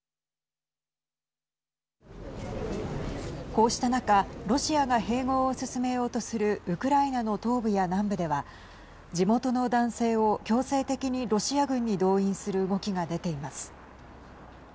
こうした中ロシアが併合を進めようとするウクライナの東部や南部では地元の男性を強制的にロシア軍に動員する動きが出ています。